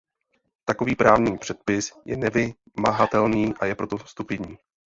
Takový právní předpis je nevymahatelný a je proto stupidní.